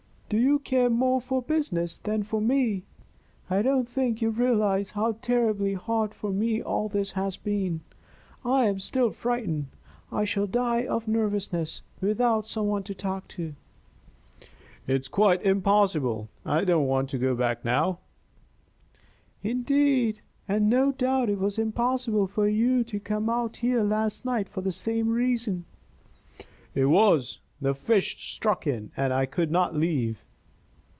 Do you care more for business than for me? I don't think you realize how terribly hard for me all this has been I'm still frightened. I shall die of nervousness without some one to talk to." "It's quite impossible! I don't want to go back now." "Indeed? And no doubt it was impossible for you to come out here last night for the same reason." "It was. The fish struck in, and I could not leave."